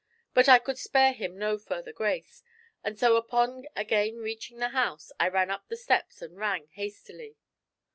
But I could spare him no further grace, and so upon again reaching the house I ran up the steps and rang hastily.